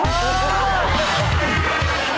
โอเฮ่ย